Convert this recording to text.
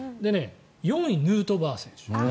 ４位、ヌートバー選手。